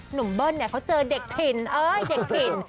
หนุ่มเบิ้ลเขาเจอเด็กถิ่นอ๊ยเด็กถิ่น